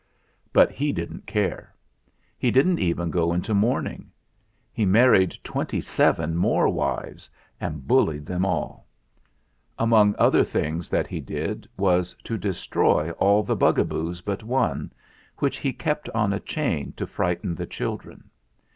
But he didn't care. He didn't even go into mourning. He married twenty seven more wives and bullied THE REIGN OF PHUTT 51 them all. Among other things that he did was to destroy all the Bugaboos but one, which he kept on a chain to frighten the children.